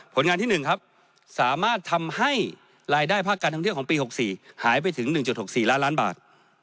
ผลงานที่๑ครับสามารถทำให้รายได้ภาคการท่องเที่ยวของปี๖๔หายไปถึง๑๖๔ล้านล้านบาท